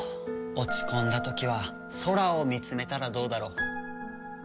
落ち込んだ時は空を見つめたらどうだろう。